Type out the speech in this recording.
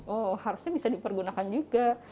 oh harusnya bisa dipergunakan juga